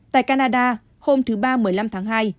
tại canada hôm thứ ba một mươi năm tháng hai